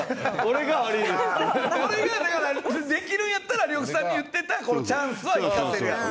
それがだからできるんやったら呂布さんが言ってた「チャンスは生かせる」やろな。